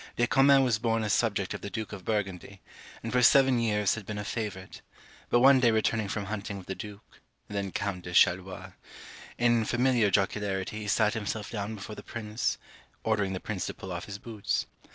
De Comines was born a subject of the Duke of Burgundy, and for seven years had been a favourite; but one day returning from hunting with the Duke, then Count de Charolois, in familiar jocularity he sat himself down before the prince, ordering the prince to pull off his boots.